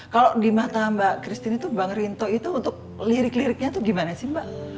kalau di mata mbak christine itu bang rinto itu untuk lirik liriknya itu gimana sih mbak